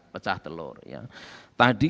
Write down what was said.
pecah telur tadi